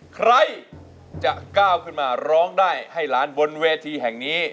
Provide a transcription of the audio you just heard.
ใครจะก้าวขึ้นมาร้องได้ให้ล้านบนเวทีแห่งนี้